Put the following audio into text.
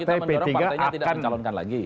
kita mendorong partainya tidak mencalonkan lagi